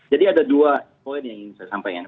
jadi ada dua poin yang ingin saya sampaikan